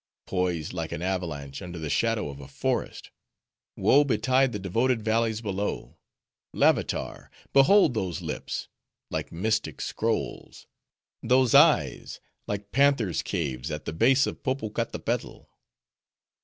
—poised like an avalanche, under the shadow of a forest! woe betide the devoted valleys below! Lavatar! behold those lips,—like mystic scrolls! Those eyes,— like panthers' caves at the base of Popocatepetl!